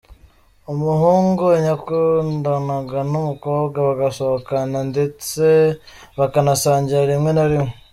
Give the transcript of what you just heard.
Umuhungu yakundanaga n'umukobwa, bagasohokana ndetse bakanasangira rimwe na rimwe.